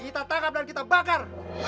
kita tangkap dan kita bakar